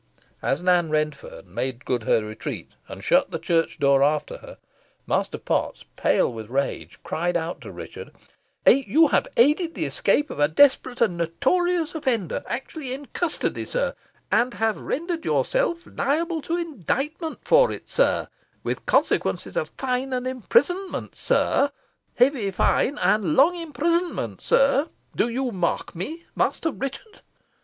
As Nan Redferne made good her retreat, and shut the church door after her, Master Potts, pale with rage, cried out to Richard, "You have aided the escape of a desperate and notorious offender actually in custody, sir, and have rendered yourself liable to indictment for it, sir, with consequences of fine and imprisonment, sir: heavy fine and long imprisonment, sir. Do you mark me, Master Richard?"